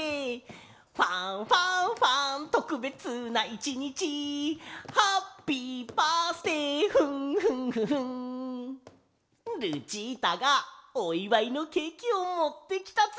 「ファンファンファンとくべつな一日」「ハッピーバースデーフンフンフフン」ルチータがおいわいのケーキをもってきたぞ！